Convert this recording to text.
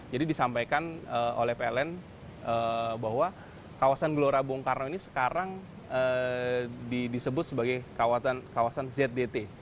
jadi disampaikan oleh pln bahwa kawasan gelora bung karno ini sekarang disebut sebagai kawasan zdt